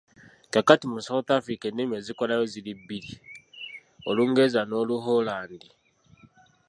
Kaakati mu South Africa ennimi ezikolayo ziri bbiri: Olungereza n'Oluholandi.